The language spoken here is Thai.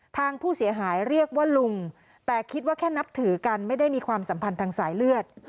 ทางผู้เสียหายเรียกว่าลุงแต่คิดว่าแค่นับถือกันไม่ได้มีความสัมพันธ์ทางสายเลือด